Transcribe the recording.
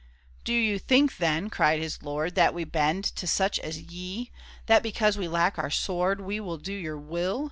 " Do you think, then," cried his lord, " That we bend to such as ye ? That because we lack our sword, We will do your will